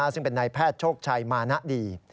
ซึ่งเป็นนายแพทย์โชคชัยมานะดี